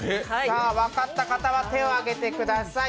分かった方は手を挙げてください。